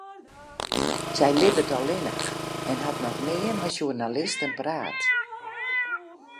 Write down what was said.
Sy libbet allinnich en hat noch nea mei sjoernalisten praat.